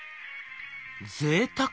「ぜいたく？